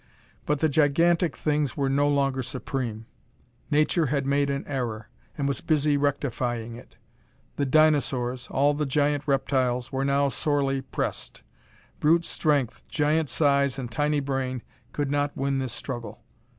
But the gigantic things were no longer supreme. Nature had made an error, and was busy rectifying it. The dinosaurs all the giant reptiles were now sorely pressed. Brute strength, giant size and tiny brain could not win this struggle.